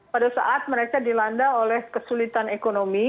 pada saat mereka dilanda oleh kesulitan ekonomi